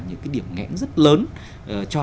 những cái điểm ngẽn rất lớn cho